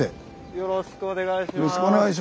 ・よろしくお願いします。